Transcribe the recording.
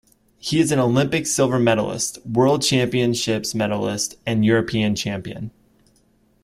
He is an Olympic silver medalist, World Championships medalist, and European Champion.